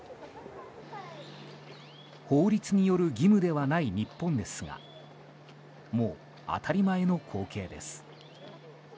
法律による義務ではない日本ですがもう当たり前の光景です。